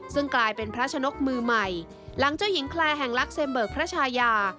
ซึ่งกลายเป็นพระชนกมือใหม่หลังเจ้าหญิงคลายแห่งลักษ์เมิกพระชายา